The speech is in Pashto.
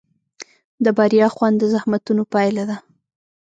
د بریا خوند د زحمتونو پایله ده.